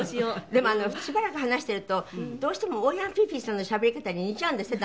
でもしばらく話しているとどうしても欧陽菲菲さんのしゃべり方に似ちゃうんですって？